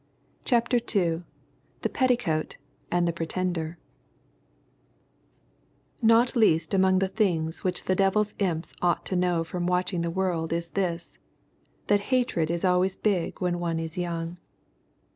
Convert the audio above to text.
CHAPTER II THE PETTICOAT AND THE PRETENDER Not least among the things which the devil's imps ought to know from watching the world is this: that hatred is always big when one is young.